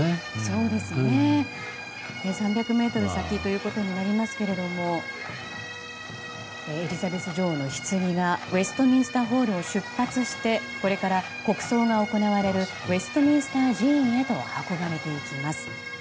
３００ｍ先ということになりますがエリザベス女王のひつぎがウェストミンスターホールを出発してこれから国葬が行われるウェストミンスター寺院へと運ばれていきます。